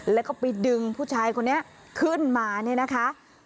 แล้วก็ไปดึงผู้ชายคนนี้ขึ้นมาเนี่ยนะคะ